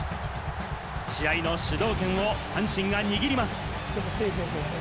試合の主導権を阪神が握ります。